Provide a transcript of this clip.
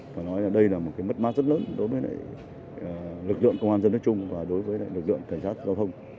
phải nói là đây là một cái mất mát rất lớn đối với lực lượng công an dân nói chung và đối với lực lượng cảnh sát giao thông